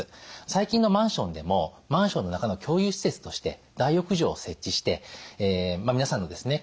最近のマンションでもマンションの中の共有施設として大浴場を設置して皆さんのですね